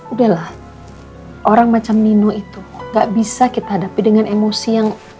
udah lah orang macam nino itu nggak bisa kita hadapi dengan emosi yang